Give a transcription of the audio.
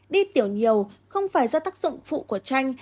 đi tiểu nhiều không phải do tác dụng phụ của tranh